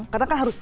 karena kan harus